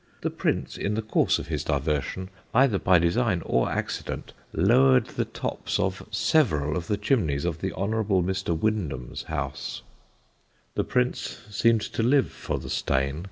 The Prince, in the course of his diversion, either by design or accident, lowered the tops of several of the chimneys of the Hon. Mr. Windham's house." The Prince seemed to live for the Steyne.